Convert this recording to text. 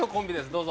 どうぞ。